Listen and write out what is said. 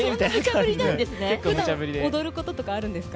ふだん踊ることとかあるんですか？